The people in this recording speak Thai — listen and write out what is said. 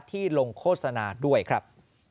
ที่ลงโฆษณาด้วยครับ